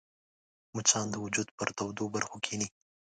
مچان د وجود پر تودو برخو کښېني